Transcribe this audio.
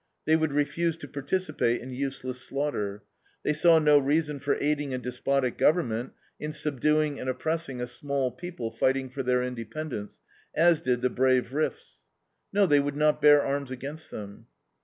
They would refuse to participate in useless slaughter. They saw no reason for aiding a despotic government in subduing and oppressing a small people fighting for their independence, as did the brave Riffs. No, they would not bear arms against them.